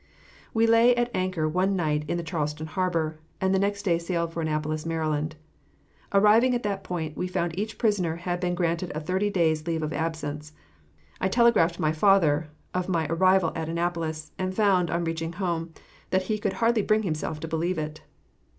We lay at anchor one night in Charleston harbor, and the next day sailed for Annapolis, Md. Arriving at that point, we found each prisoner had been granted a thirty days' leave of absence. I telegraphed my father of my arrival at Annapolis, and found, on reaching home, that he could hardly bring himself to believe it.